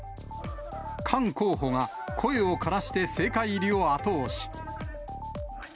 菅候補が声をからして政界入りを後押し。